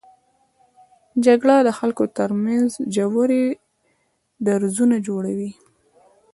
جګړه د خلکو تر منځ ژورې درزونه جوړوي